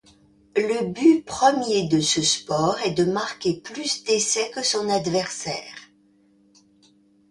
Le but premier de ce sport est de marquer plus d'essais que son adversaire.